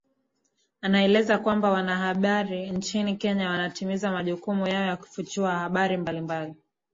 anaeleza kwamba wanahabri nchini Kenya wanatimiza majukumu yao ya kufichua habari mbalimbali